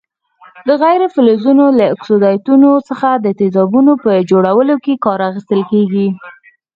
د غیر فلزونو له اکسایډونو څخه د تیزابونو په جوړولو کې کار اخیستل کیږي.